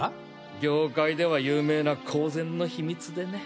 業界では有名な公然の秘密でね。